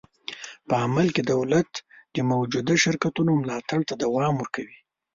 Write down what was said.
په عمل کې دولت د موجوده شرکتونو ملاتړ ته دوام ورکوي.